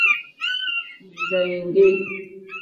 Mbèrzà èŋɡê.